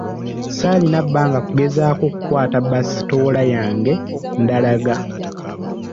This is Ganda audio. Saalina bbanga kugezaako kukwata basitoola yange ndalaga.